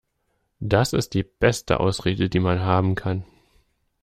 Das ist die beste Ausrede, die man haben kann.